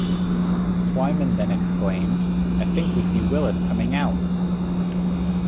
Twyman then exclaimed: I think we see Willis coming out!